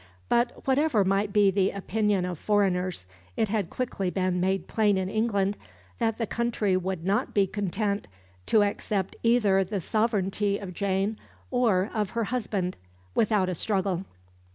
But whatever might be the opinion of foreigners, it had quickly been made plain in England that the country would not be content to accept either the sovereignty of Jane or of her husband without a struggle.